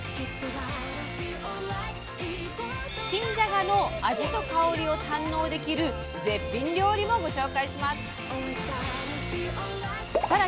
新じゃがの味と香りを堪能できる絶品料理もご紹介します！